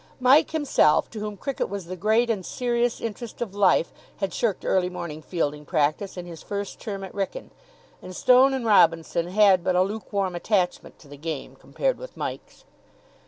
Mike himself, to whom cricket was the great and serious interest of life, had shirked early morning fielding practice in his first term at Wrykyn. And Stone and Robinson had but a luke warm attachment to the game, compared with Mike's.